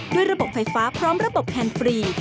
ด้วยระบบไฟฟ้าพร้อมระบบแทนฟรี